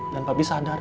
dan papih sadar